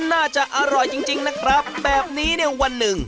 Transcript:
น่าจะอร่อยจริงจริงนะครับแบบนี้เนี่ยวันหนึ่ง